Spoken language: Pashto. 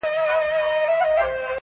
چي خپل مُلا چي خپل لښکر او پاچا ولټوو-